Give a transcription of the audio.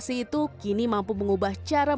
jadi timer berumur setengah queen